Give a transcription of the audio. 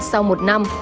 sau một năm